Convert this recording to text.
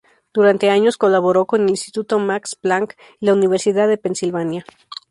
Durante años colaboró con el Instituto Max Planck y la Universidad de Pennsylvania.